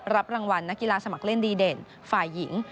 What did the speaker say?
รับรางวัลนักกีฬาสมัครเล่นดีเด่นฝ่ายหญิง